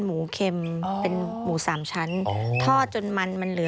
หมูเข็มเป็นหมูสามชั้นค่ะ